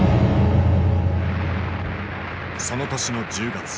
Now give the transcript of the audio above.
その年の１０月。